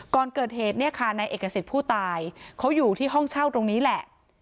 ก่อนเกิดเหตุเนี่ยค่ะนายเอกสิทธิ์ผู้ตายเขาอยู่ที่ห้องเช่าตรงนี้แหละ